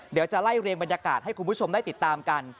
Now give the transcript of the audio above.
เดี๋ยวจะไล่เรียงบรรยากาศให้คุณผู้ชมได้ติดตามกัน